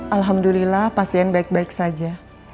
alhamdulillah pasien baik baik saja